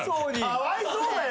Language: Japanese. かわいそうだよ。